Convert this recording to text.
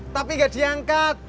tapi gak diangkat